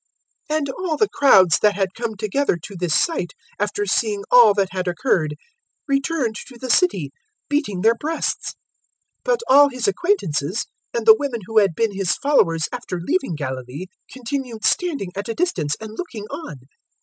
023:048 And all the crowds that had come together to this sight, after seeing all that had occurred, returned to the city beating their breasts. 023:049 But all His acquaintances, and the women who had been His followers after leaving Galilee, continued standing at a distance and looking on.